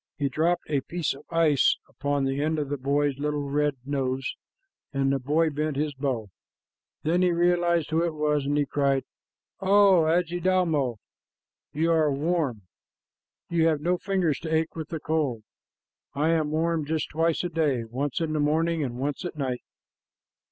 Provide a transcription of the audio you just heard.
He dropped a piece of ice upon the end of the boy's little red nose, and the boy bent his bow. Then he realized who it was, and he cried, "O Adjidaumo, you are warm. You have no fingers to ache with the cold. I am warm just twice a day, once in the morning and once at night."